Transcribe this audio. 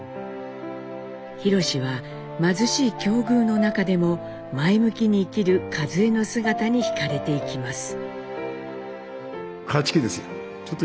弘史は貧しい境遇の中でも前向きに生きる和江の姿に惹かれていきます。